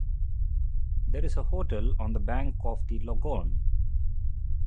There is a hotel on the bank of the Logone.